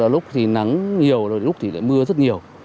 lúc thì nắng nhiều lúc thì mưa rất nhiều